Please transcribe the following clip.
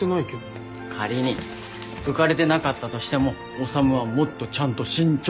仮に浮かれてなかったとしても修はもっとちゃんと慎重に。